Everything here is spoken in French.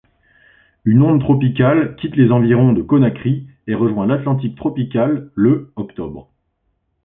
Une onde tropicale quitte les environs de Conakry et rejoint l'Atlantique tropicale le octobre.